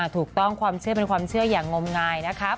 ถูกต้องความเชื่อเป็นความเชื่ออย่างงมงายนะครับ